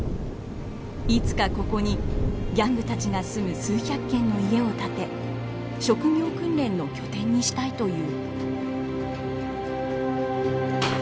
いつかここにギャングたちが住む数百軒の家を建て職業訓練の拠点にしたいという。